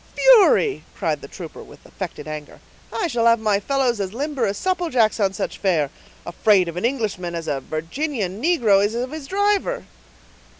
"Fury!" cried the trooper, with affected anger, "I shall have my fellows as limber as supple jacks on such fare; afraid of an Englishman as a Virginian negro is of his driver."